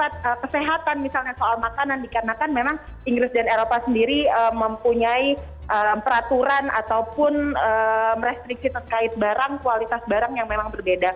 ada kesehatan misalnya soal makanan dikarenakan memang inggris dan eropa sendiri mempunyai peraturan ataupun restriksi terkait barang kualitas barang yang memang berbeda